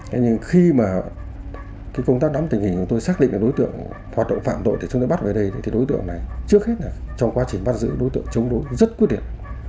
thế nhưng khi mà cái công tác lắm tình hình của tôi xác định là đối tượng hoạt động phạm tội để chúng ta bắt về đây thì đối tượng này trước hết là trong quá trình bắt giữ đối tượng chống đối rất quyết định